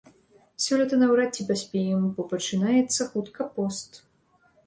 Сёлета наўрад ці паспеем, бо пачынаецца хутка пост.